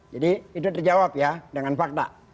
jadi itu terjawab ya dengan fakta